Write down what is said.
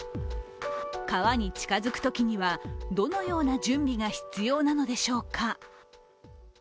川に近付くときにはどのような準備が必要なのでしょうか。